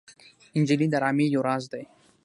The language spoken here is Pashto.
نجلۍ د ارامۍ یو راز دی.